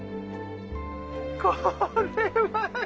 これは！